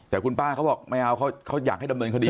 แต่คุณป้าเขาบอกไม่เอาเขาอยากให้ดำเนินคดี